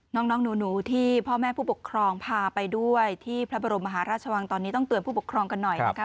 น้องหนูที่พ่อแม่ผู้ปกครองพาไปด้วยที่พระบรมมหาราชวังตอนนี้ต้องเตือนผู้ปกครองกันหน่อยนะคะ